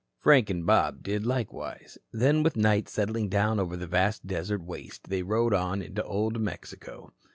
Frank and Bob did likewise. Then with night settling down over the vast desert waste they rode on into old Mexico.